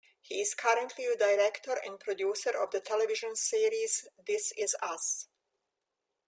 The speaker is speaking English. He is currently a director and producer of the television series "This Is Us".